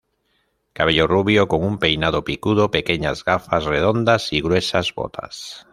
Cabello rubio, con un peinado picudo, pequeñas gafas redondas y gruesas botas.